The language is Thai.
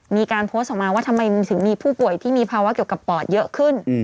มีการโพสต์ออกมาว่าทำไมถึงมีผู้ป่วยที่มีภาวะเกี่ยวกับปอดเยอะขึ้น